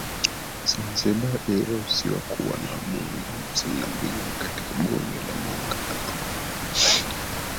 Zanzibar iliruhusiwa kuwa na Wabunge hamsini na mbili katika Bunge la Muungano